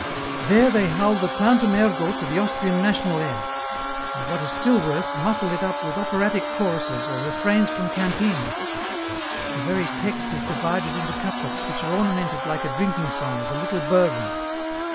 " There they howl the * Tantum Ergo ' to the Austrian National air ; or what is still worse, muffle it up with operatic choruses, or refrains from canteens. The very text is divided into couplets which are ornamented like a drinking song with a little burthen.